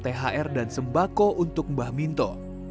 thr dan sembako untuk bah minto